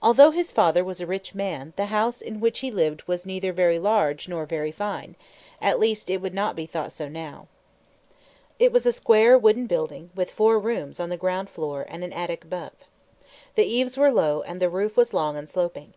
Although his father was a rich man, the house in which he lived was neither very large nor very fine at least it would not be thought so now. It was a square, wooden building, with four rooms on the ground floor and an attic above. The eaves were low, and the roof was long and sloping.